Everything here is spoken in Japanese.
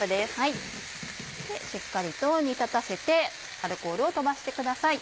しっかりと煮立たせてアルコールを飛ばしてください。